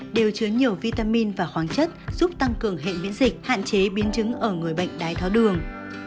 đều chứa nhiều vitamin và khoáng chất giúp tăng cường hệ miễn dịch hạn chế biến chứng ở người bệnh đái tháo đường